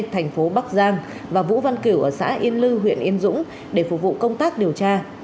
thành phố bắc giang và vũ văn kiểu ở xã yên lư huyện yên dũng để phục vụ công tác điều tra